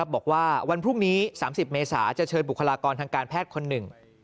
บอกว่าวันพรุ่งนี้๓๐เมษาจะเชิญบุคลากรทางการแพทย์คนหนึ่ง